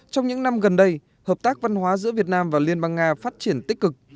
trong những năm gần đây hợp tác văn hóa giữa việt nam và liên bang nga phát triển tích cực